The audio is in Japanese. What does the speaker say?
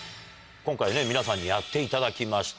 今回ね皆さんにやっていただきました。